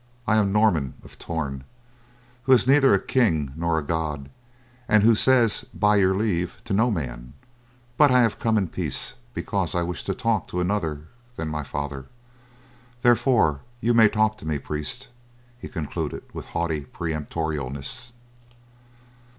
"I am Norman of Torn, who has neither a king nor a god, and who says 'by your leave' to no man. But I have come in peace because I wish to talk to another than my father. Therefore you may talk to me, priest," he concluded with haughty peremptoriness.